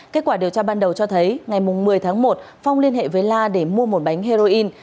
kết quả điều tra ban đầu cho thấy ngày một mươi tháng một phong liên hệ với la để mua một bánh heroin